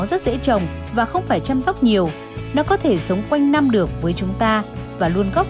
rất dễ trồng và không phải chăm sóc nhiều nó có thể sống quanh năm được với chúng ta và luôn góp